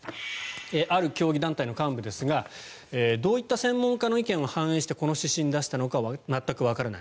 ある団体の幹部ですがどういった専門家の意見を反映して、この指針を出したのかわからない。